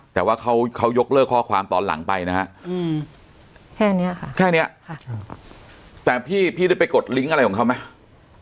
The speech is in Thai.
แต่ว่าเขายกเลิกข้อความตอนหลังไปนะฮะแค่นี้ค่ะแค่นี้แต่พี่ได้ไปกดลิงก์อะไรของเขาไหม